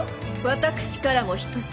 私からも一つ。